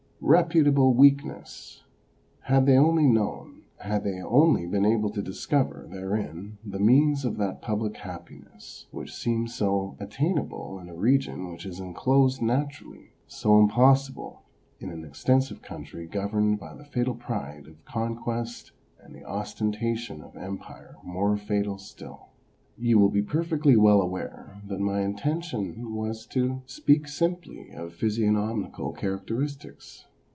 Reputable weakness ! Had they only known, had they only been able to discover therein the means of that public happiness, which seems so attainable in a region which is enclosed naturally, so impossible in an extensive country governed by the fatal pride of conquest and the ostentation of empire more fatal still ! You will be perfectly well aware that my intention was to OBERMANN 325 speak simply of physiognomical characteristics.